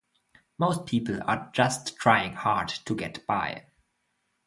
Most people are just trying hard to get by.